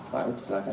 pak arief silakan